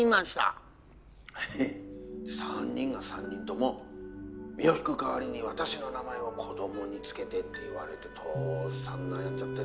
「ハハハッ３人が３人とも身を引く代わりに私の名前を子供に付けてって言われて父さん悩んじゃってね」